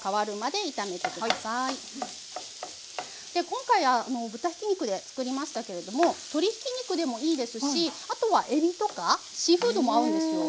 今回豚ひき肉で作りましたけれども鶏ひき肉でもいいですしあとはえびとかシーフードも合うんですよ。